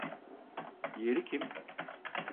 Diğeri kim?